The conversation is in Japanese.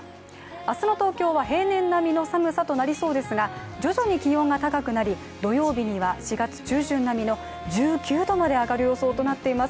明日の東京は平年並みの寒さとなりそうですが徐々に気温が高くなり土曜日には４月中旬並みの１９度まで上がる予想となっています。